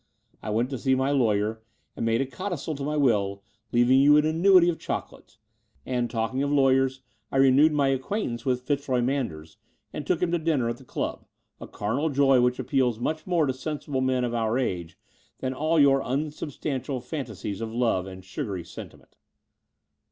I went to see my lawyer and made a codicil to my will, leaving you an annuity of chocolates; and, talking of lawyers, I renewed my acquaintance with Pitzroy Manders and took him to dinner at t)he club, a carnal joy which appeals much more to sensible men of our age than all your unsubstantial fan tasies of love and sugary sentiment."